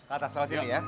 ke atas selamat jalan ya